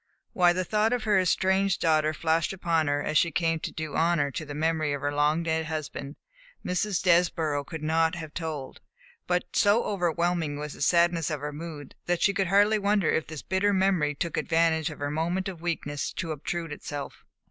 Why the thought of her estranged daughter flashed upon her as she came to do honor to the memory of her long dead husband, Mrs. Desborough could not have told, but so overwhelming was the sadness of her mood that she could hardly wonder if this bitter memory took advantage of her moment of weakness to obtrude itself.